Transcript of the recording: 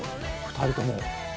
２人とも。